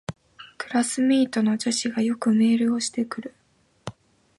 クラスメイトの女子がよくメールをしてくる